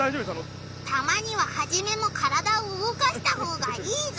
たまにはハジメも体をうごかしたほうがいいぞ！